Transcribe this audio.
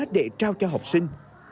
để trao cho học sinh